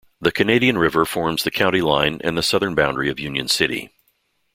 The Canadian River forms the county line and the southern boundary of Union City.